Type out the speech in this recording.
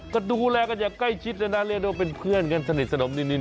ก็ดูแลกันอย่างใกล้ชิดเลยนะเรียกได้ว่าเป็นเพื่อนกันสนิทสนมนิน